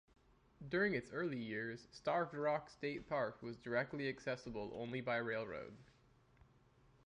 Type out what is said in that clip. During its early years, Starved Rock State Park was directly accessible only by railroad.